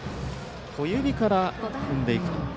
小指から踏んでいくと。